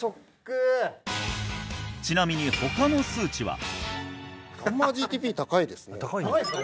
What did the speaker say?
ちなみに他の数値は高いですか？